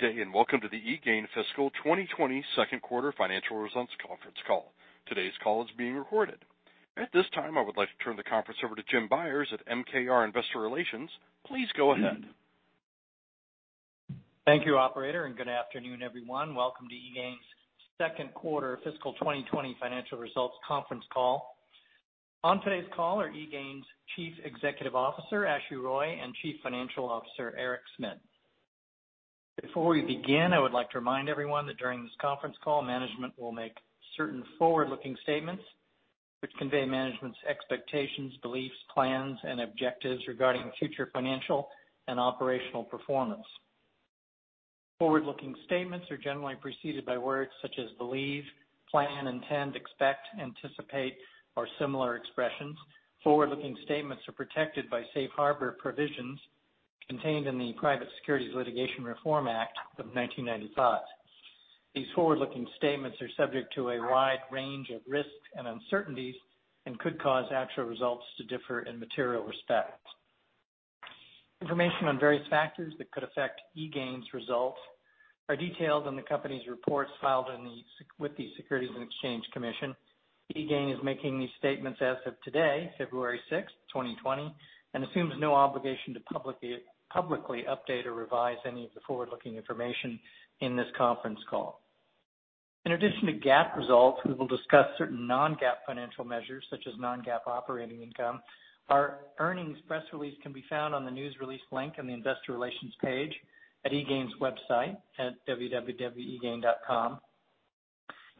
Good day, and welcome to the eGain Fiscal 2020 Second Quarter Financial Results Conference Call. Today's call is being recorded. At this time, I would like to turn the conference over to Jim Byers at MKR Investor Relations. Please go ahead. Thank you, operator, and good afternoon, everyone. Welcome to eGain's Second Quarter Fiscal 2020 Financial Results Conference Call. On today's call are eGain's Chief Executive Officer, Ashu Roy, and Chief Financial Officer, Eric Smit. Before we begin, I would like to remind everyone that during this conference call, management will make certain forward-looking statements which convey management's expectations, beliefs, plans, and objectives regarding future financial and operational performance. Forward-looking statements are generally preceded by words such as believe, plan, intend, expect, anticipate, or similar expressions. Forward-looking statements are protected by Safe Harbor provisions contained in the Private Securities Litigation Reform Act of 1995. These forward-looking statements are subject to a wide range of risks and uncertainties and could cause actual results to differ in material respects. Information on various factors that could affect eGain's results are detailed in the company's reports filed with the Securities and Exchange Commission. eGain is making these statements as of today, February 6th, 2020 and assumes no obligation to publicly update or revise any of the forward-looking information in this conference call. In addition to GAAP results, we will discuss certain non-GAAP financial measures, such as non-GAAP operating income. Our earnings press release can be found on the news release link in the investor relations page at eGain's website at www.egain.com.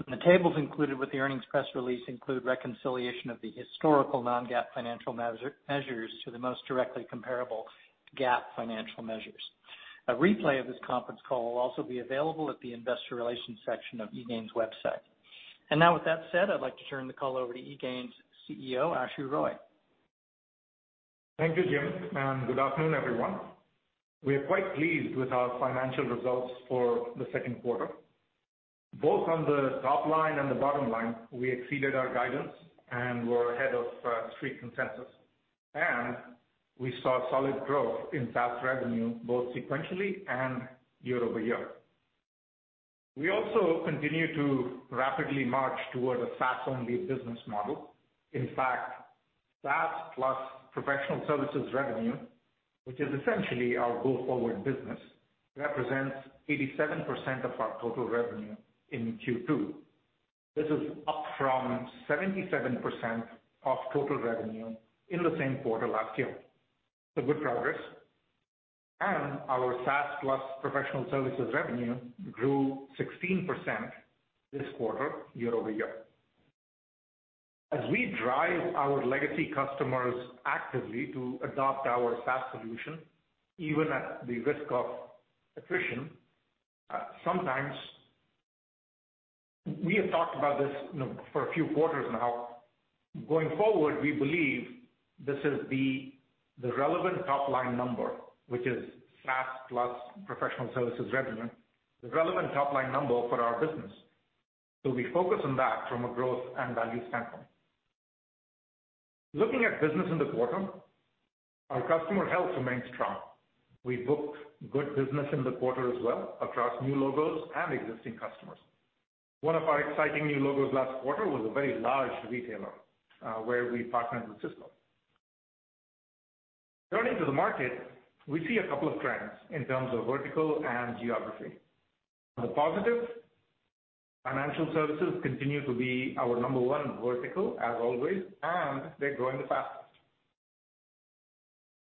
The tables included with the earnings press release include reconciliation of the historical non-GAAP financial measures to the most directly comparable GAAP financial measures. A replay of this conference call will also be available at the investor relations section of eGain's website. Now with that said, I'd like to turn the call over to eGain's CEO, Ashu Roy. Thank you, Jim. Good afternoon, everyone. We are quite pleased with our financial results for the second quarter. Both on the top line and the bottom line, we exceeded our guidance and were ahead of Street consensus. We saw solid growth in SaaS revenue both sequentially and year-over-year. We also continue to rapidly march toward a SaaS-only business model. In fact, SaaS plus professional services revenue, which is essentially our go-forward business, represents 87% of our total revenue in Q2. This is up from 77% of total revenue in the same quarter last year. Good progress. Our SaaS plus professional services revenue grew 16% this quarter year-over-year. As we drive our legacy customers actively to adopt our SaaS solution, even at the risk of attrition, sometimes We have talked about this for a few quarters now. Going forward, we believe this is the relevant top-line number, which is SaaS plus professional services revenue, the relevant top-line number for our business. We focus on that from a growth and value standpoint. Looking at business in the quarter, our customer health remains strong. We booked good business in the quarter as well across new logos and existing customers. One of our exciting new logos last quarter was a very large retailer, where we partnered with Cisco. Turning to the market, we see a couple of trends in terms of vertical and geography. On the positive, financial services continue to be our number one vertical as always, and they're growing the fastest.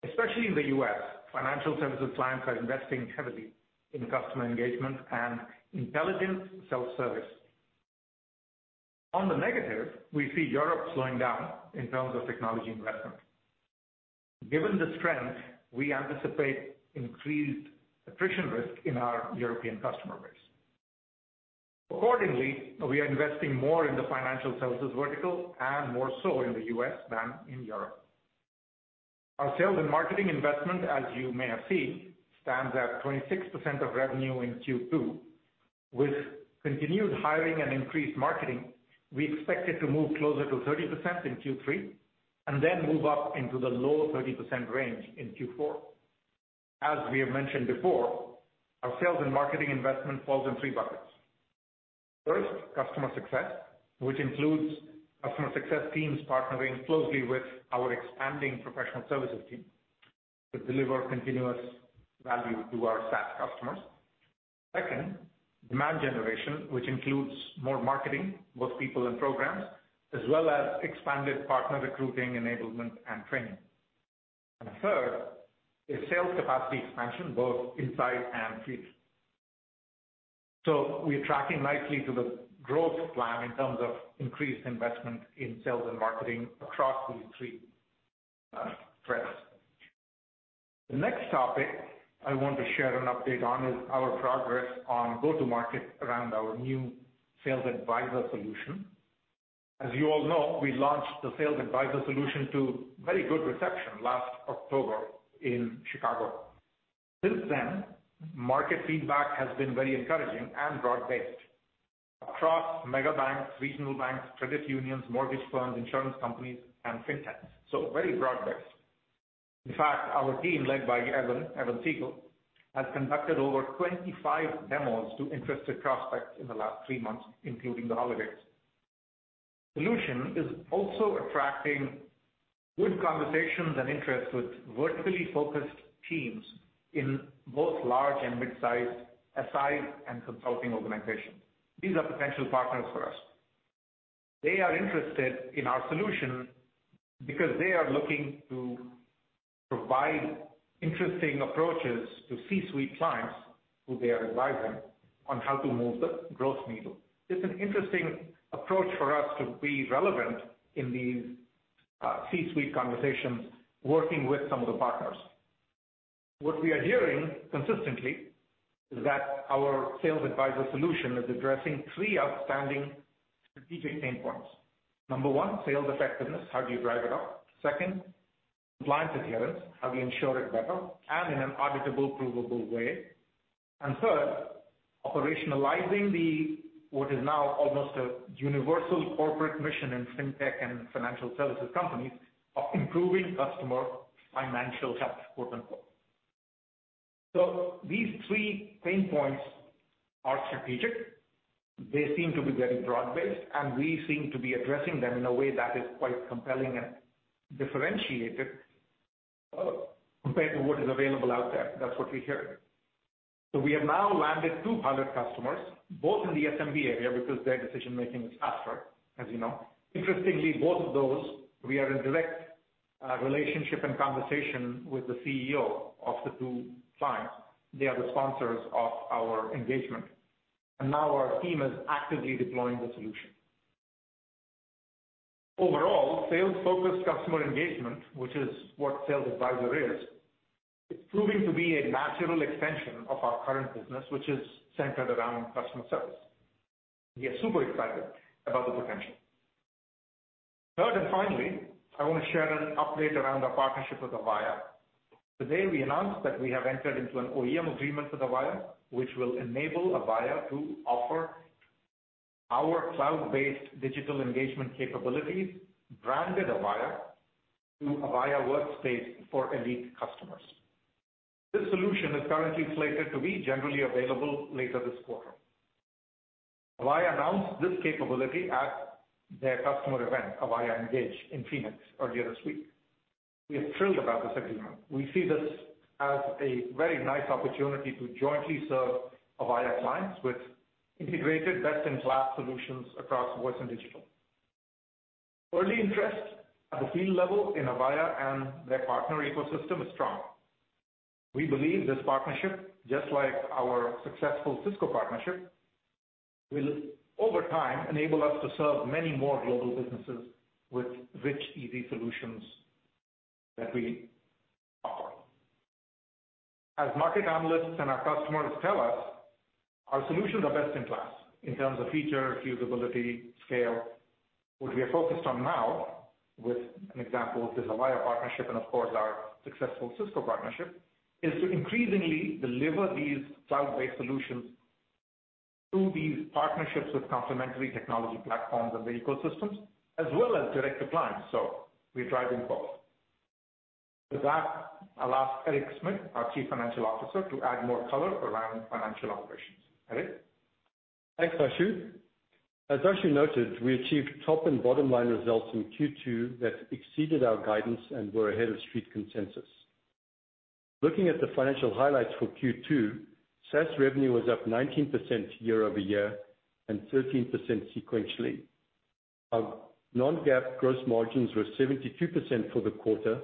Especially in the U.S., financial services clients are investing heavily in customer engagement and intelligent self-service. On the negative, we see Europe slowing down in terms of technology investment. Given this trend, we anticipate increased attrition risk in our European customer base. Accordingly, we are investing more in the financial services vertical and more so in the U.S. than in Europe. Our sales and marketing investment, as you may have seen, stands at 26% of revenue in Q2. With continued hiring and increased marketing, we expect it to move closer to 30% in Q3 and then move up into the low 30% range in Q4. As we have mentioned before, our sales and marketing investment falls in three buckets. First, customer success, which includes customer success teams partnering closely with our expanding professional services team to deliver continuous value to our SaaS customers. Second, demand generation, which includes more marketing, both people and programs, as well as expanded partner recruiting, enablement and training. Third is sales capacity expansion, both inside and field. We're tracking nicely to the growth plan in terms of increased investment in sales and marketing across these three threads. The next topic I want to share an update on is our progress on go-to-market around our new Sales Advisor solution. As you all know, we launched the Sales Advisor solution to very good reception last October in Chicago. Since then, market feedback has been very encouraging and broad-based. Across mega banks, regional banks, credit unions, mortgage firms, insurance companies, and fintechs. Very broad-based. In fact, our team, led by Evan Siegel, has conducted over 25 demos to interested prospects in the last three months, including the holidays. The solution is also attracting good conversations and interest with vertically focused teams in both large and mid-size SI and consulting organizations. These are potential partners for us. They are interested in our solution because they are looking to provide interesting approaches to C-suite clients who they are advising on how to move the growth needle. It's an interesting approach for us to be relevant in these C-suite conversations, working with some of the partners. What we are hearing consistently is that our Sales Advisor solution is addressing three outstanding strategic pain points. "Number one, sales effectiveness. How do you drive it up? Second, compliance adherence. How do you ensure it better and in an auditable, provable way? Third, operationalizing what is now almost a universal corporate mission in fintech and financial services companies of improving customer financial health." So, these three pain points are strategic. They seem to be very broad-based, and we seem to be addressing them in a way that is quite compelling and differentiated compared to what is available out there. That's what we hear. We have now landed two pilot customers, both in the SMB area because their decision-making is faster, as you know. Interestingly, both of those, we are in direct relationship and conversation with the CEO of the two clients. They are the sponsors of our engagement, and now our team is actively deploying the solution. Overall, sales-focused customer engagement, which is what Sales Advisor is, it's proving to be a natural extension of our current business, which is centered around customer service. We are super excited about the potential. Third, and finally, I want to share an update around our partnership with Avaya. Today, we announced that we have entered into an OEM agreement with Avaya, which will enable Avaya to offer our cloud-based digital engagement capabilities branded Avaya to Avaya workspace for elite customers. This solution is currently slated to be generally available later this quarter. Avaya announced this capability at their customer event, Avaya ENGAGE, in Phoenix earlier this week. We are thrilled about this agreement. We see this as a very nice opportunity to jointly serve Avaya clients with integrated best-in-class solutions across voice and digital. Early interest at the field level in Avaya and their partner ecosystem is strong. We believe this partnership, just like our successful Cisco partnership, will over time enable us to serve many more global businesses with rich, easy solutions that we offer. As market analysts and our customers tell us, our solutions are best in class in terms of feature, usability, scale. What we are focused on now with an example is Avaya partnership and of course, our successful Cisco partnership, is to increasingly deliver these cloud-based solutions through these partnerships with complementary technology platforms and ecosystems, as well as direct to clients. We're driving both. With that, I'll ask Eric Smit, our Chief Financial Officer, to add more color around financial operations. Eric? Thanks, Ashu. As Ashu noted, we achieved top and bottom line results in Q2 that exceeded our guidance and were ahead of street consensus. Looking at the financial highlights for Q2, SaaS revenue was up 19% year-over-year and 13% sequentially. Our non-GAAP gross margins were 72% for the quarter,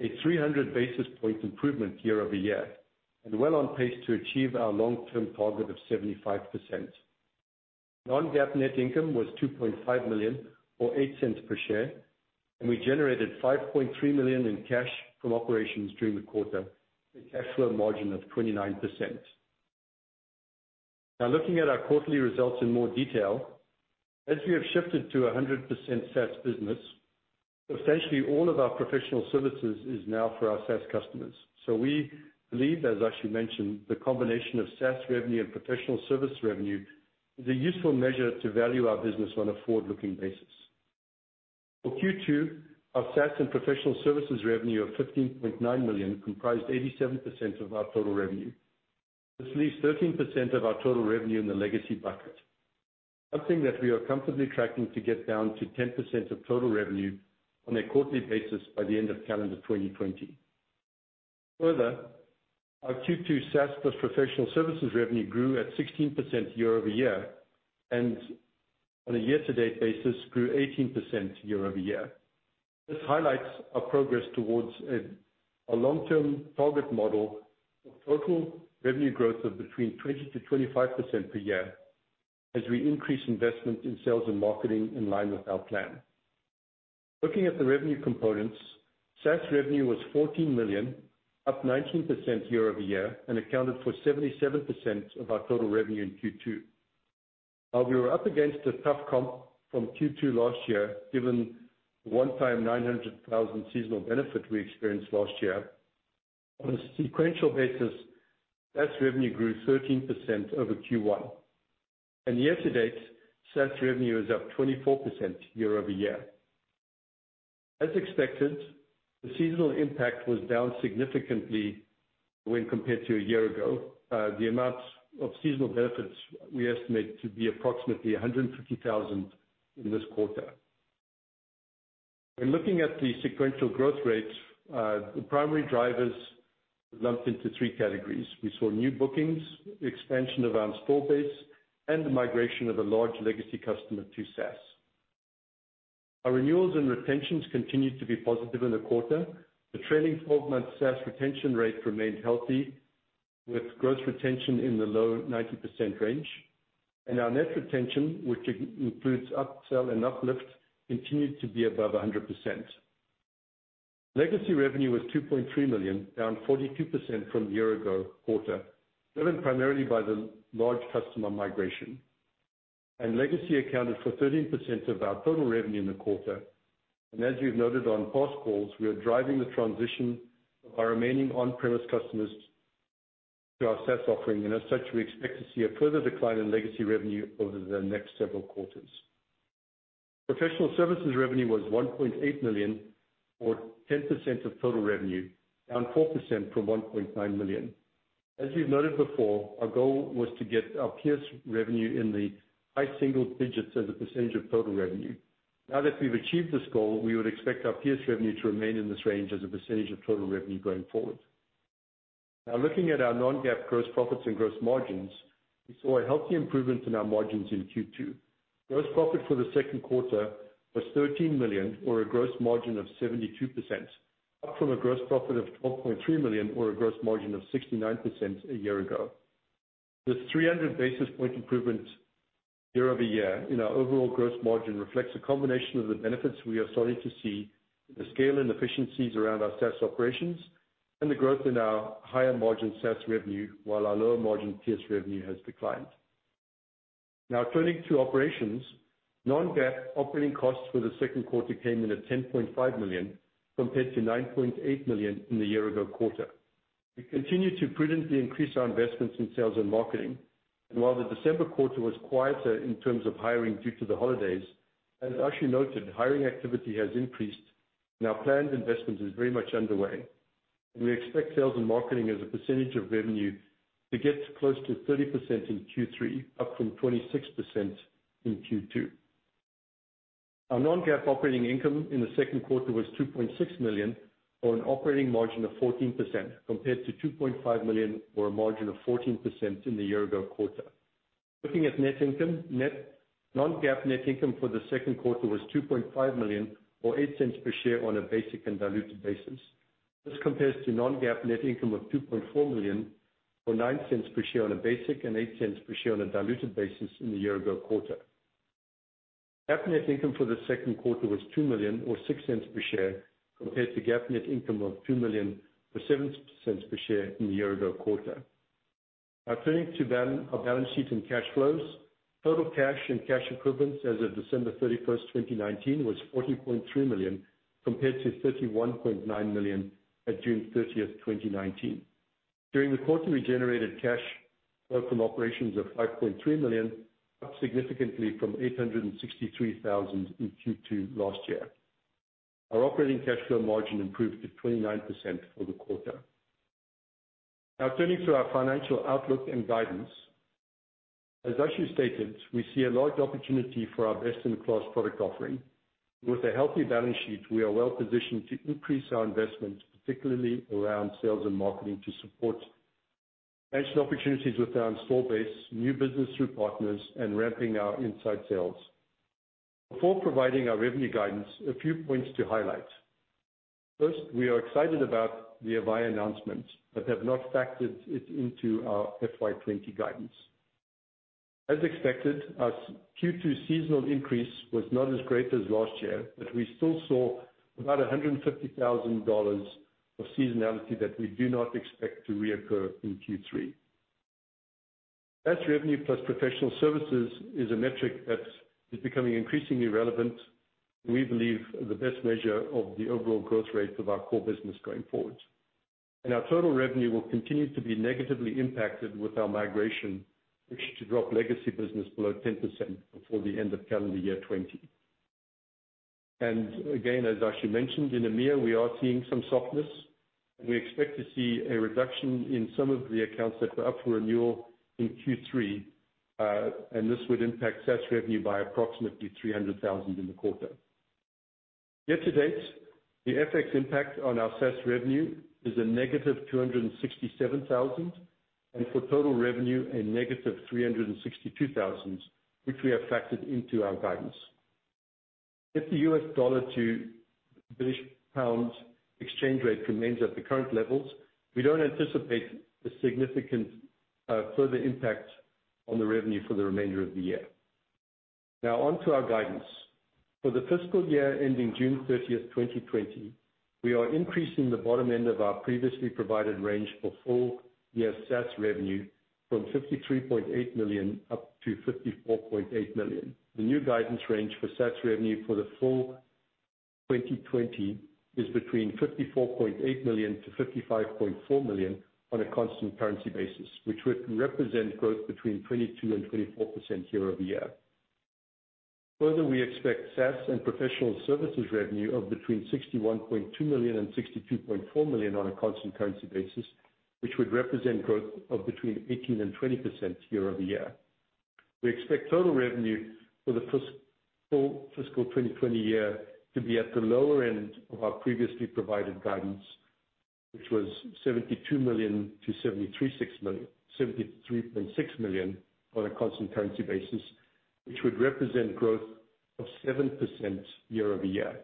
a 300 basis point improvement year-over-year, and well on pace to achieve our long-term target of 75%. Non-GAAP net income was $2.5 million, or $0.08 per share, and we generated $5.3 million in cash from operations during the quarter, a cash flow margin of 29%. Looking at our quarterly results in more detail, as we have shifted to 100% SaaS business, essentially all of our professional services is now for our SaaS customers. We believe, as Ashu mentioned, the combination of SaaS revenue and professional service revenue is a useful measure to value our business on a forward-looking basis. For Q2, our SaaS and professional services revenue of $15.9 million comprised 87% of our total revenue. This leaves 13% of our total revenue in the legacy bucket, something that we are comfortably tracking to get down to 10% of total revenue on a quarterly basis by the end of calendar 2020. Further, our Q2 SaaS plus professional services revenue grew at 16% year-over-year and on a year to date basis grew 18% year-over-year. This highlights our progress towards a long-term target model of total revenue growth of between 20%-25% per year as we increase investment in sales and marketing in line with our plan. Looking at the revenue components, SaaS revenue was $14 million, up 19% year-over-year, and accounted for 77% of our total revenue in Q2. While we were up against a tough comp from Q2 last year, given the one-time $900,000 seasonal benefit we experienced last year. On a sequential basis, SaaS revenue grew 13% over Q1. Year-to-date, SaaS revenue is up 24% year-over-year. As expected, the seasonal impact was down significantly when compared to a year ago. The amount of seasonal benefits we estimate to be approximately $150,000 in this quarter. When looking at the sequential growth rate, the primary drivers lumped into three categories. We saw new bookings, expansion of our install base, and the migration of a large legacy customer to SaaS. Our renewals and retentions continued to be positive in the quarter. The trailing 12-month SaaS retention rate remained healthy, with gross retention in the low 90% range, and our net retention, which includes upsell and uplift, continued to be above 100%. Legacy revenue was $2.3 million, down 42% from a year-ago quarter, driven primarily by the large customer migration. Legacy accounted for 13% of our total revenue in the quarter. As you've noted on past calls, we are driving the transition of our remaining on-premise customers to our SaaS offering. As such, we expect to see a further decline in legacy revenue over the next several quarters. Professional services revenue was $1.8 million, or 10% of total revenue, down 4% from $1.9 million. As we've noted before, our goal was to get our PS revenue in the high single digits as a percentage of total revenue. That we've achieved this goal, we would expect our PS revenue to remain in this range as a percentage of total revenue going forward. Looking at our non-GAAP gross profits and gross margins, we saw a healthy improvement in our margins in Q2. Gross profit for the second quarter was $13 million or a gross margin of 72%, up from a gross profit of $12.3 million or a gross margin of 69% a year ago. This 300 basis point improvement year-over-year in our overall gross margin reflects a combination of the benefits we are starting to see, the scale and efficiencies around our SaaS operations, and the growth in our higher margin SaaS revenue while our lower margin PS revenue has declined. Now turning to operations, non-GAAP operating costs for the second quarter came in at $10.5 million compared to $9.8 million in the year-ago quarter. We continue to prudently increase our investments in sales and marketing. While the December quarter was quieter in terms of hiring due to the holidays, as Ashu noted, hiring activity has increased and our planned investments is very much underway. We expect sales and marketing as a percentage of revenue to get close to 30% in Q3, up from 26% in Q2. Our non-GAAP operating income in the second quarter was $2.6 million or an operating margin of 14%, compared to $2.5 million or a margin of 14% in the year ago quarter. Looking at net income, non-GAAP net income for the second quarter was $2.5 million, or $0.08 per share on a basic and diluted basis. This compares to non-GAAP net income of $2.4 million or $0.09 per share on a basic and $0.08 per share on a diluted basis in the year ago quarter. GAAP net income for the second quarter was $2 million or $0.06 per share compared to GAAP net income of $2 million or $0.07 per share in the year-ago quarter. Now turning to our balance sheet and cash flows. Total cash and cash equivalents as of December 31, 2019, was $40.3 million compared to $31.9 million at June 30, 2019. During the quarter, we generated cash flow from operations of $5.3 million, up significantly from $863,000 in Q2 last year. Our operating cash flow margin improved to 29% for the quarter. Now turning to our financial outlook and guidance. As Ashu stated, we see a large opportunity for our best-in-class product offering. With a healthy balance sheet, we are well-positioned to increase our investments, particularly around sales and marketing to support national opportunities with our install base, new business through partners, and ramping our inside sales. Before providing our revenue guidance, a few points to highlight. First, we are excited about the Avaya announcement but have not factored it into our FY 2020 guidance. As expected, our Q2 seasonal increase was not as great as last year, but we still saw about $150,000 of seasonality that we do not expect to reoccur in Q3. SaaS revenue plus professional services is a metric that is becoming increasingly relevant, we believe the best measure of the overall growth rate of our core business going forward. Our total revenue will continue to be negatively impacted with our migration, which should drop legacy business below 10% before the end of calendar year 2020. Again, as Ashu mentioned, in EMEA, we are seeing some softness. We expect to see a reduction in some of the accounts that were up for renewal in Q3. This would impact SaaS revenue by approximately $300,000 in the quarter. Year to date, the FX impact on our SaaS revenue is a $-267,000. For total revenue, a $-362,000, which we have factored into our guidance. If the U.S. dollar to British pound exchange rate remains at the current levels, we don't anticipate a significant further impact on the revenue for the remainder of the year. On to our guidance. For the fiscal year ending June 30th, 2020, we are increasing the bottom end of our previously provided range for full-year SaaS revenue from $53.8 million up to $54.8 million. The new guidance range for SaaS revenue for the full 2020 is between $54.8 million-$55.4 million on a constant currency basis, which would represent growth between 22%-24% year-over-year. Further, we expect SaaS and professional services revenue of between $61.2 million-$62.4 million on a constant currency basis, which would represent growth of between 18%-20% year-over-year. We expect total revenue for the full fiscal 2020 year to be at the lower end of our previously provided guidance, which was $72 million-$73.6 million on a constant currency basis, which would represent growth of 7% year-over-year.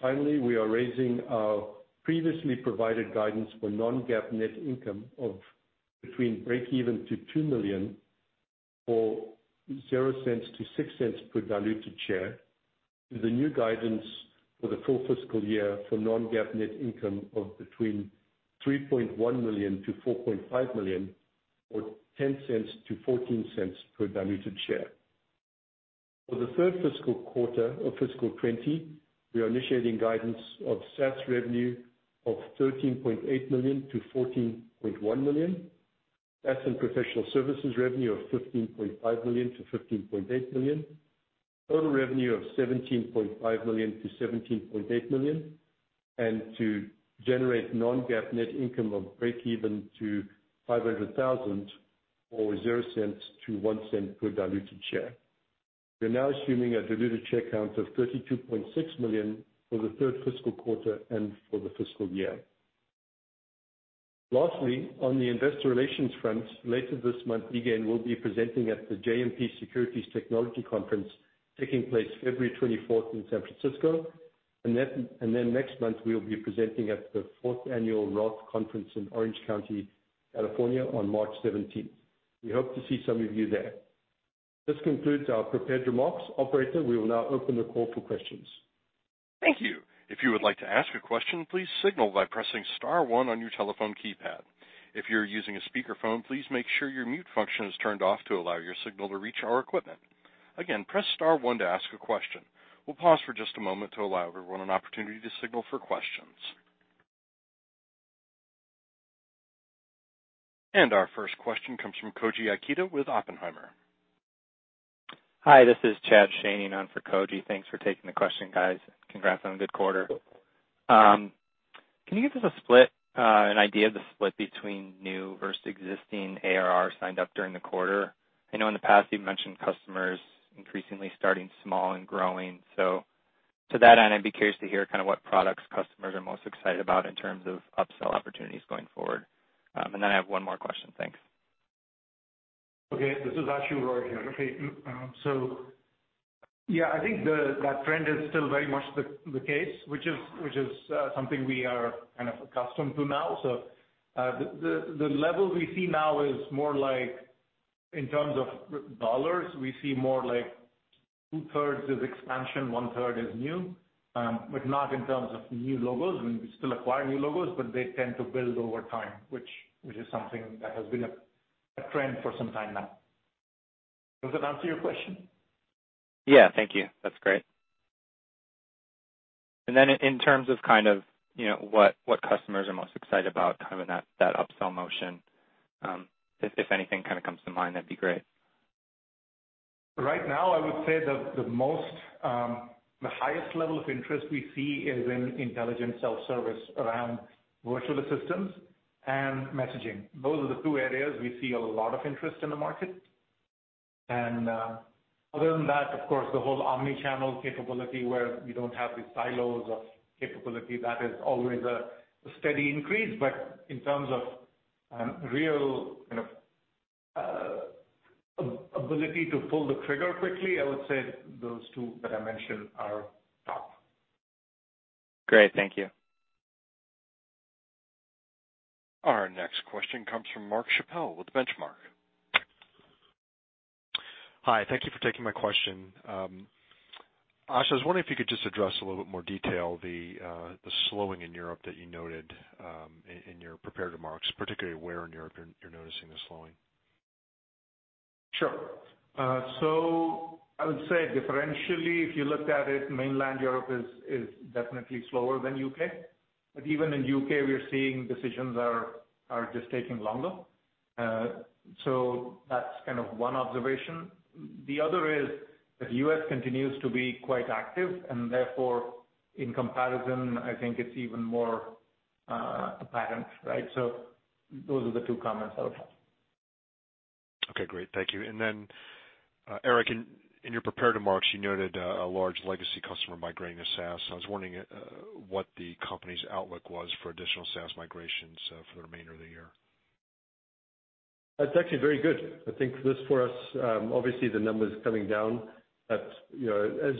Finally, we are raising our previously provided guidance for non-GAAP net income of between breakeven to $2 million, or $0.00-$0.06 per diluted share. The new guidance for the full fiscal year for non-GAAP net income of between $3.1 million-$4.5 million, or $0.10-$0.14 per diluted share. For the third fiscal quarter of fiscal 2020, we are initiating guidance of SaaS revenue of $13.8 million-$14.1 million, SaaS and professional services revenue of $15.5 million-$15.8 million, total revenue of $17.5 million-$17.8 million, and to generate non-GAAP net income of $0-$500,000, or $0.00-$0.01 per diluted share. We're now assuming a diluted share count of 32.6 million for the third fiscal quarter and for the fiscal year. Lastly, on the investor relations front, later this month, eGain will be presenting at the JMP Securities Technology Conference, taking place February 24th in San Francisco. Then next month, we will be presenting at the fourth annual Roth Conference in Orange County, California, on March 17th. We hope to see some of you there. This concludes our prepared remarks. Operator, we will now open the call for questions. Thank you. If you would like to ask a question, please signal by pressing star one on your telephone keypad. If you're using a speakerphone, please make sure your mute function is turned off to allow your signal to reach our equipment. Again, press star one to ask a question. We'll pause for just a moment to allow everyone an opportunity to signal for questions. Our first question comes from Koji Ikeda with Oppenheimer. Hi, this is Chad Schoening in for Koji. Thanks for taking the question, guys. Congrats on a good quarter. Can you give us an idea of the split between new versus existing ARR signed up during the quarter? I know in the past you've mentioned customers increasingly starting small and growing. To that end, I'd be curious to hear what products customers are most excited about in terms of upsell opportunities going forward. I have one more question. Thanks. Okay. This is Ashu Roy here. Okay. Yeah, I think that trend is still very much the case, which is something we are kind of accustomed to now. The level we see now is more like, in terms of dollars, we see more like 2/3 is expansion, 1/3 is new. Not in terms of new logos. We still acquire new logos, but they tend to build over time, which is something that has been a trend for some time now. Does that answer your question? Yeah, thank you. That's great. Then in terms of kind of, you know, what customers are most excited about, that upsell motion, if anything comes to mind, that'd be great. Right now, I would say the highest level of interest we see is in intelligent self-service around virtual assistants and messaging. Those are the two areas we see a lot of interest in the market. Other than that, of course, the whole omni-channel capability where we don't have the silos of capability. That is always a steady increase. In terms of real ability to pull the trigger quickly, I would say those two that I mentioned are top. Great. Thank you. Our next question comes from Mark Schappel with Benchmark. Hi. Thank you for taking my question. Ash, I was wondering if you could just address a little bit more detail the slowing in Europe that you noted in your prepared remarks, particularly where in Europe you're noticing the slowing? Sure. So, I would say differentially, if you looked at it, mainland Europe is definitely slower than U.K. Even in U.K. we are seeing decisions are just taking longer. That's one observation. The other is that U.S. continues to be quite active, and therefore, in comparison, I think it's even more apparent, right? Those are the two comments I would have. Okay, great. Thank you. And then Eric, in your prepared remarks, you noted a large legacy customer migrating to SaaS. I was wondering what the company's outlook was for additional SaaS migrations for the remainder of the year. It's actually very good. I think this for us, obviously the number is coming down. As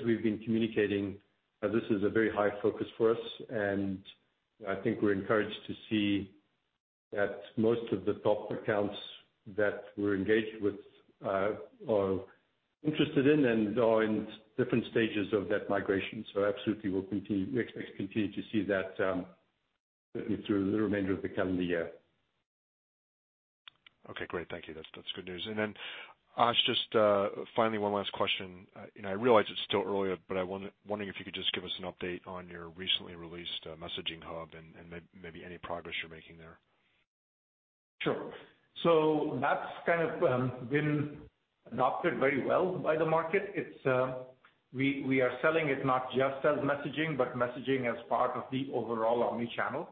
we've been communicating, this is a very high focus for us, and I think we're encouraged to see that most of the top accounts that we're engaged with are interested in and are in different stages of that migration. Absolutely, we expect to continue to see that certainly through the remainder of the calendar year. Okay, great. Thank you. That's good news. Ash, just finally one last question. I realize it's still early, but I'm wondering if you could just give us an update on your recently released messaging hub and maybe any progress you're making there. Sure. That's kind of been adopted very well by the market. We are selling it not just as messaging, but messaging as part of the overall omni-channel.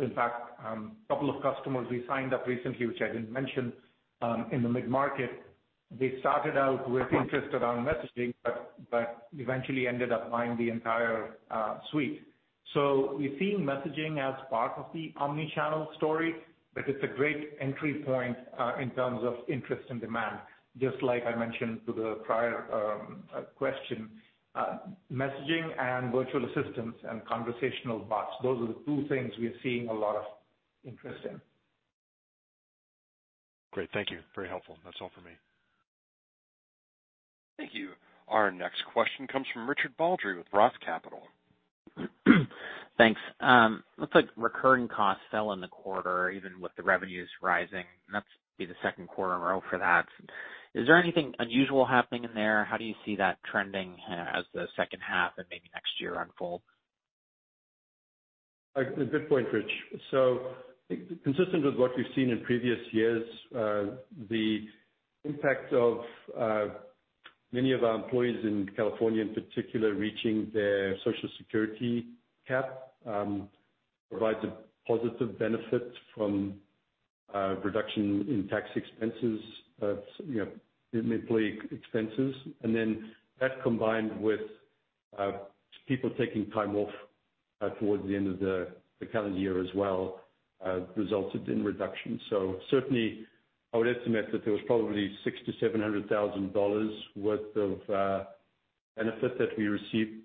In fact, a couple of customers we signed up recently, which I didn't mention, in the mid-market, they started out with interest around messaging, but eventually ended up buying the entire suite. We're seeing messaging as part of the omni-channel story, but it's a great entry point, in terms of interest and demand. Just like I mentioned to the prior question, messaging and virtual assistants and conversational bots, those are the two things we are seeing a lot of interest in. Great, thank you. Very helpful. That's all for me. Thank you. Our next question comes from Richard Baldry with Roth Capital. Thanks. Looks like recurring costs fell in the quarter, even with the revenues rising. That's the second quarter in a row for that. Is there anything unusual happening in there? How do you see that trending as the second half and maybe next year unfold? A good point, Rich. Consistent with what we've seen in previous years, the impact of, many of our employees in California in particular, reaching their social security cap, provides a positive benefit from a reduction in tax expenses, in employee expenses. Then that combined with people taking time off towards the end of the calendar year as well, resulted in reduction. Certainly I would estimate that there was probably $600,000-$700,000 worth of benefit that we received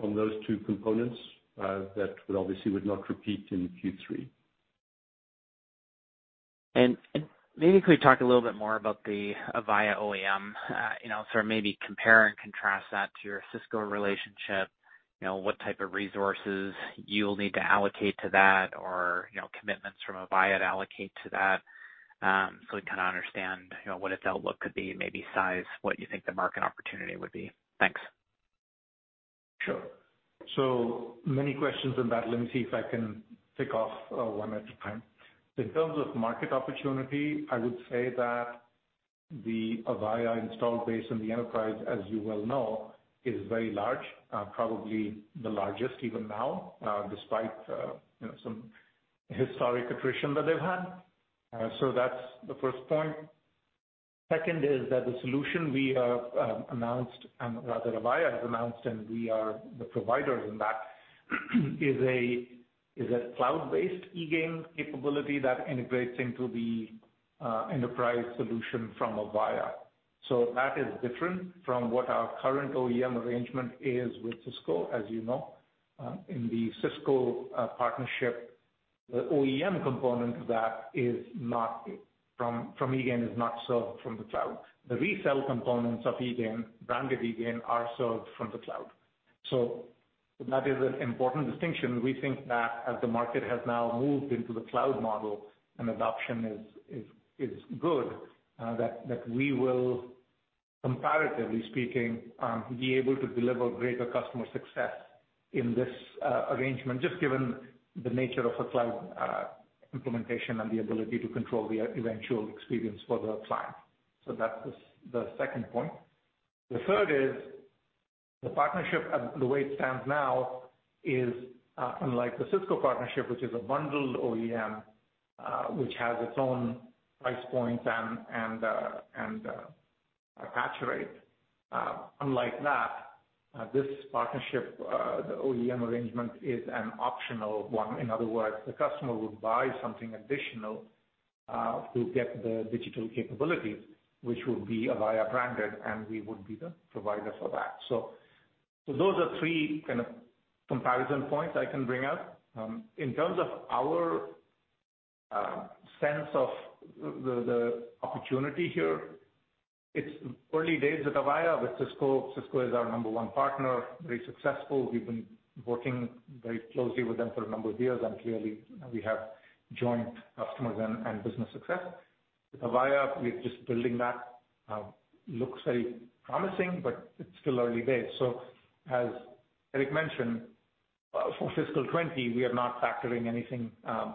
from those two components, that would obviously not repeat in Q3. Maybe could you talk a little bit more about the Avaya OEM, sort of maybe compare and contrast that to your Cisco relationship, what type of resources you'll need to allocate to that or commitments from Avaya to allocate to that, so we kind of understand what its outlook could be and maybe size what you think the market opportunity would be. Thanks. Sure. Many questions in that. Let me see if I can tick off one at a time. In terms of market opportunity, I would say that the Avaya install base and the enterprise, as you well know, is very large, probably the largest even now, despite some historic attrition that they've had. That's the first point. Second is that the solution we have announced, rather Avaya has announced and we are the providers in that, is a cloud-based eGain capability that integrates into the enterprise solution from Avaya. That is different from what our current OEM arrangement is with Cisco, as you know. In the Cisco partnership, the OEM component of that from eGain is not sold from the cloud. The resell components of eGain, branded eGain, are sold from the cloud. That is an important distinction. We think that as the market has now moved into the cloud model and adoption is good, that we will comparatively speaking, be able to deliver greater customer success in this arrangement, just given the nature of a cloud implementation and the ability to control the eventual experience for the client. That's the second point. The third is the partnership, the way it stands now is, unlike the Cisco partnership, which is a bundled OEM, which has its own price points and attach rate. Unlike that, this partnership, the OEM arrangement is an optional one. In other words, the customer would buy something additional, to get the digital capabilities, which would be Avaya branded, and we would be the provider for that. Those are three kind of comparison points I can bring up. In terms of our sense of the opportunity here, it's early days at Avaya. With Cisco is our number one partner, very successful. We've been working very closely with them for a number of years, and clearly we have joint customers and business success. With Avaya, we're just building that. Looks very promising, but it's still early days. As Eric mentioned, for fiscal 2020, we are not factoring anything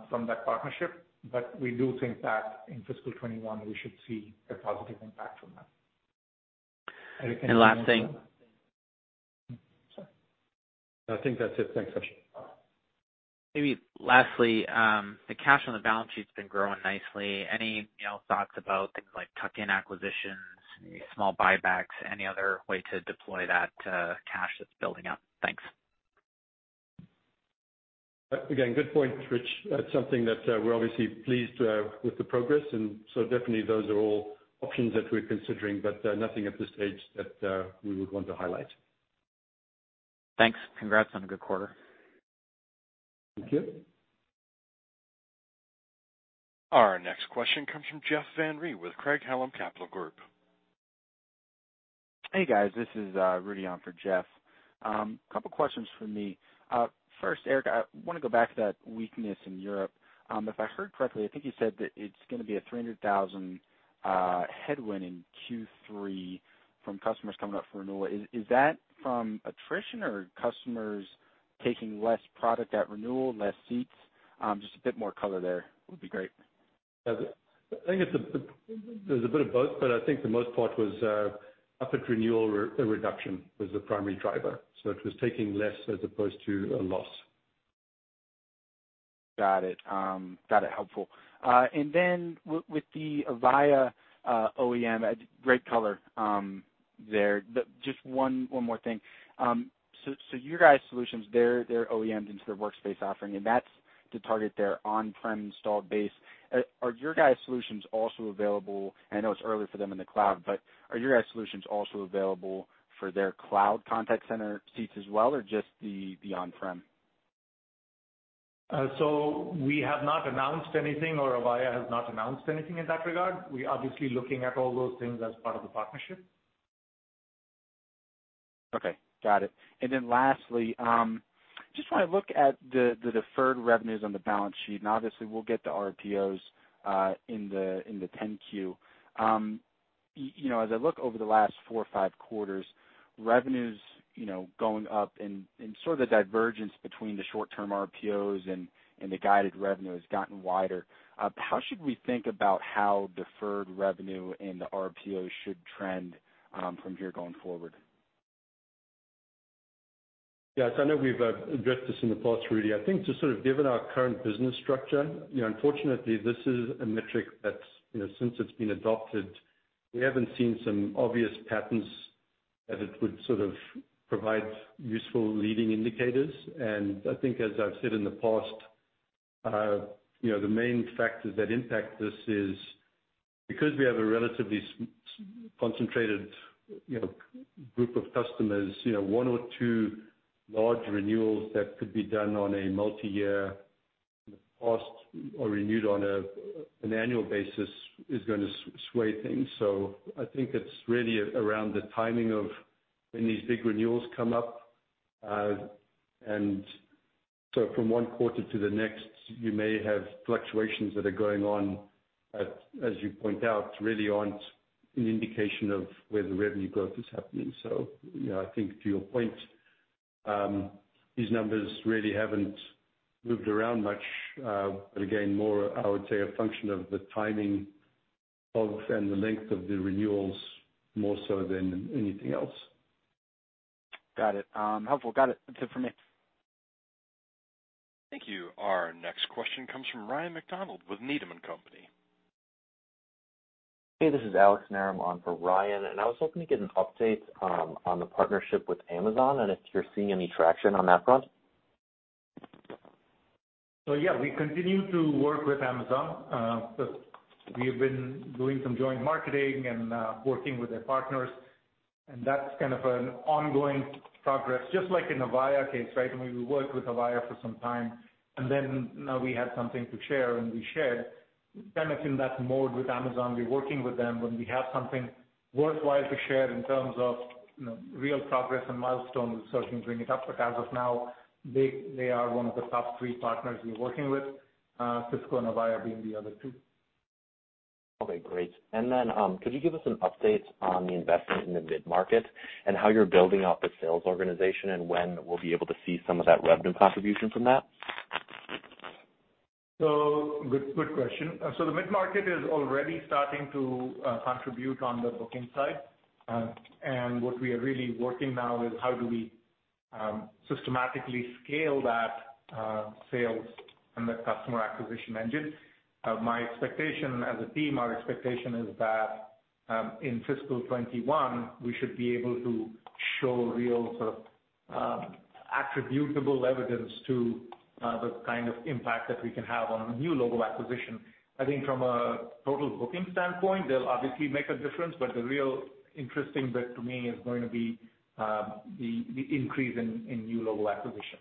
from that partnership, but we do think that in fiscal 2021, we should see a positive impact from that. And last thing. Sorry. I think that's it. Thanks, Richard. Maybe lastly, the cash on the balance sheet's been growing nicely. Any thoughts about things like tuck-in acquisitions, maybe small buybacks, any other way to deploy that cash that's building up? Thanks. Good point, Rich. That's something that we're obviously pleased with the progress, and so definitely those are all options that we're considering, but nothing at this stage that we would want to highlight. Thanks. Congrats on a good quarter. Thank you. Our next question comes from Jeff Van Rhee with Craig-Hallum Capital Group. Hey guys, this is Rudy on for Jeff. Couple questions from me. First, Eric, I want to go back to that weakness in Europe. If I heard correctly, I think you said that it's going to be a $300,000 headwind in Q3 from customers coming up for renewal. Is that from attrition or customers taking less product at renewal, less seats? Just a bit more color there would be great. I think there's a bit of both, but I think the most part was upward renewal reduction was the primary driver, so it was taking less as opposed to a loss. Got it. Helpful. Then with the Avaya OEM, great color there. Just one more thing. Your guys' solutions, they're OEM into their workspace offering, and that's to target their on-prem installed base. Are your guys' solutions also available, I know it's early for them in the cloud, but are your guys' solutions also available for their cloud contact center seats as well, or just the on-prem? We have not announced anything, or Avaya has not announced anything in that regard. We're obviously looking at all those things as part of the partnership. Okay, got it. Lastly, just want to look at the deferred revenues on the balance sheet, and obviously we'll get the RPOs in the 10-Q. I look over the last four or five quarters, revenues going up and sort of divergence between the short-term RPOs and the guided revenue has gotten wider. How should we think about how deferred revenue and the RPOs should trend from here going forward? Yes, I know we've addressed this in the past, Rudy. I think just sort of given our current business structure, unfortunately this is a metric that since it's been adopted, we haven't seen some obvious patterns that it would sort of provide useful leading indicators. I think as I've said in the past, the main factors that impact this is because we have a relatively concentrated group of customers, one or two large renewals that could be done on a multi-year past or renewed on an annual basis is going to sway things. So I think it's really around the timing, of each renewals come up, and from one quarter to the next, you may have fluctuations that are going on, as you point out, really aren't an indication of where the revenue growth is happening. I think to your point, these numbers really haven't moved around much, but again, more, I would say, a function of the timing of and the length of the renewals more so than anything else. Got it. Helpful. Got it. That's it for me. Thank you. Our next question comes from Ryan MacDonald with Needham & Company. Hey, this is Alex Narum on for Ryan. I was hoping to get an update on the partnership with Amazon and if you're seeing any traction on that front. Yeah, we continue to work with Amazon. We've been doing some joint marketing and working with their partners, and that's kind of an ongoing progress. Just like in Avaya case, right, when we worked with Avaya for some time, and then now we had something to share, and we shared. Kind of in that mode with Amazon. We're working with them. When we have something worthwhile to share in terms of real progress and milestones, we certainly bring it up. As of now, they are one of the top three partners we're working with, Cisco and Avaya being the other two. Okay, great. And then, could you give us an update on the investment in the mid-market and how you're building out the sales organization and when we'll be able to see some of that revenue contribution from that? Good question. The mid-market is already starting to contribute on the booking side. What we are really working now is how do we systematically scale that sales and the customer acquisition engine. My expectation as a team, our expectation is that in fiscal 2021, we should be able to show real sort of attributable evidence to the kind of impact that we can have on a new logo acquisition. I think from a total booking standpoint, they'll obviously make a difference, but the real interesting bit to me is going to be the increase in new logo acquisition.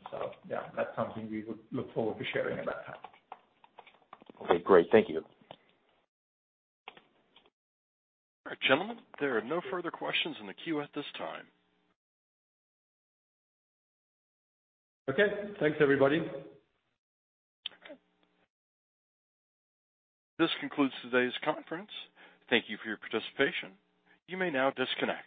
Yeah, that's something we would look forward to sharing at that time. Okay, great. Thank you. All right, gentlemen, there are no further questions in the queue at this time. Okay, thanks everybody. This concludes today's conference. Thank you for your participation. You may now disconnect.